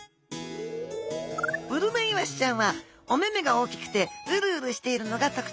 ウルメイワシちゃんはお目々が大きくてウルウルしているのがとくちょう。